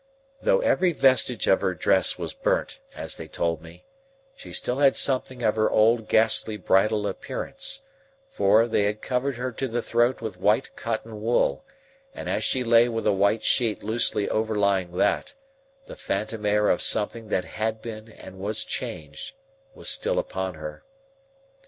Though every vestige of her dress was burnt, as they told me, she still had something of her old ghastly bridal appearance; for, they had covered her to the throat with white cotton wool, and as she lay with a white sheet loosely overlying that, the phantom air of something that had been and was changed was still upon her.